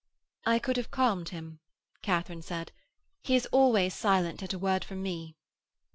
'I could have calmed him,' Katharine said. 'He is always silent at a word from me.'